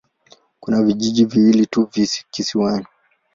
Kuna vijiji viwili tu kisiwani.